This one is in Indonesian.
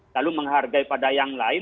lalu menghargai pada yang lain